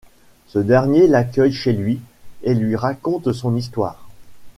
Ce dernier l'accueil chez lui et lui raconte son histoire.